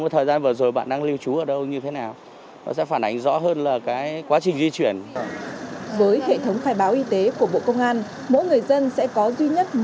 mỗi người dân sẽ có thể tìm hiểu về các thông tin khai báo y tế của anh hùng